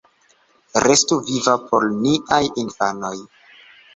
Restu viva por niaj infanoj!